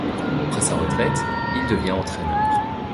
Après sa retraite, il devient entraîneur.